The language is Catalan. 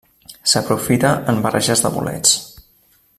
S'aprofita en barreges de bolets.